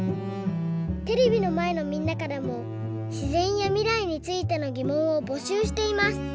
テレビのまえのみんなからもしぜんやみらいについてのぎもんをぼしゅうしています。